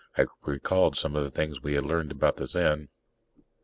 I recalled some of the things we had learned about the Zen.